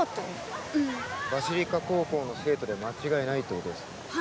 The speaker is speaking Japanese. うんバシリカ高校の生徒で間違いないってことですね？